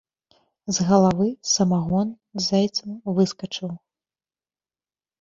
З галавы самагон зайцам выскачыў.